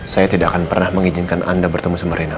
saya tidak akan pernah mengizinkan anda bertemu sama rena